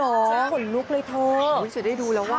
ฉันหนลูกเลยเท่าว่าเข้าขนลุกเลยเถอะเดี๋ยวได้ดูแล้วว่ะ